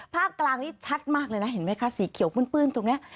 กลางนี้ชัดมากเลยนะเห็นไหมคะสีเขียวปื้นตรงนี้